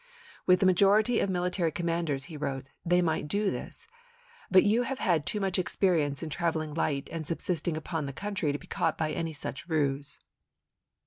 "With the majority of military commanders," he wrote, " they might do this ; but you have had too much experience in traveling light and subsisting upon the country to be caught by any such ruse.